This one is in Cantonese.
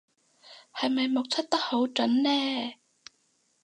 係咪目測得好準呢